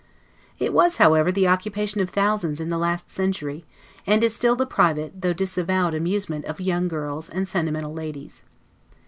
It was, however, the occupation of thousands in the last century, and is still the private, though disavowed, amusement of young girls, and sentimental ladies.